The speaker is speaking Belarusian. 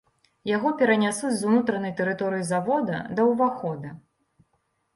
Яго перанясуць з унутранай тэрыторыі завода да ўвахода.